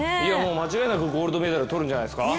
間違いなくゴールドメダル取るんじゃないですか？